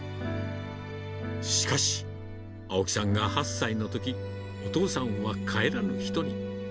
しかし、青木さんが８歳のとき、お父さんは帰らぬ人に。